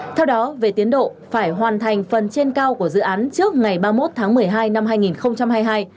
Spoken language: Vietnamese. theo đó về tiến độ phải hoàn thành phần trên cao của dự án trước ngày ba mươi một tháng một mươi hai năm hai nghìn hai mươi hai